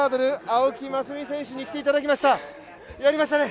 青木益未選手に来ていただきました、やりましたね。